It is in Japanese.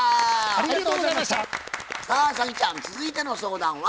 さあ早希ちゃん続いての相談は？